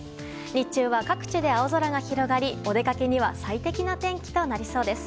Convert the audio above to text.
日中は各地で青空が広がりお出かけには最適な天気となりそうです。